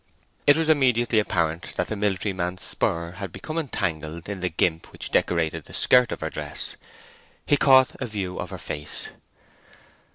It was immediately apparent that the military man's spur had become entangled in the gimp which decorated the skirt of her dress. He caught a view of her face.